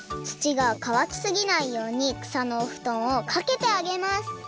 土がかわきすぎないようにくさのおふとんをかけてあげます